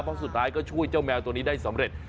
เพราะสุดท้ายก็ช่วยเจ้าแมวตัวนี้ได้สำเร็จ